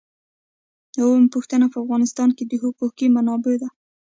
اوومه پوښتنه په افغانستان کې د حقوقي منابعو ده.